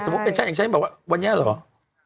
มันแยกให้บอกว่าวันนี้หรือ